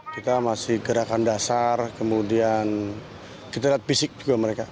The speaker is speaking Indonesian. kita masih gerakan dasar kemudian kita lihat fisik juga mereka